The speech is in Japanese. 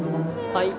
はい。